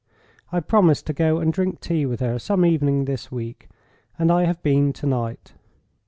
I promised to go and drink tea with her some evening this week, and I have been to night.